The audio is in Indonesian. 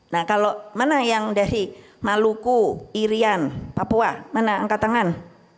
nah kalau mana yang dari maluku irian papua mana angkat tangan